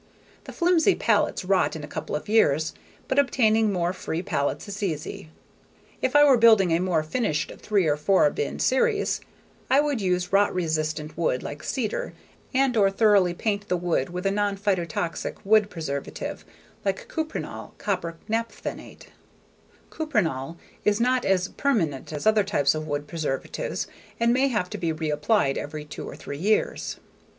The flimsy pallets rot in a couple of years but obtaining more free pallets is easy. If I were building a more finished three or four bin series, I would use rot resistant wood like cedar and/or thoroughly paint the wood with a non phytotoxic wood preservative like Cuprinol (copper napthanate). Cuprinol is not as permanent as other types of wood preservatives and may have to be reapplied every two or three years.